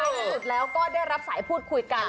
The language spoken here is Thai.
สุดยอดก็ได้สุดแล้วก็ได้รับสายพูดคุยกัน